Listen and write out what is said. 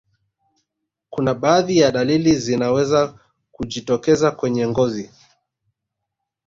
kuna baadhi ya dalili zinaweza kujitokeza kwenye ngozi